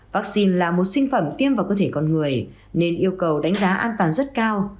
vaccine là một sinh phẩm tiêm vào cơ thể con người nên yêu cầu đánh giá an toàn rất cao